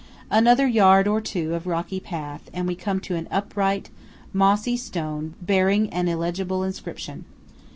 Another yard or two of rocky path, and we come to an upright, mossy stone bearing an illegible inscription.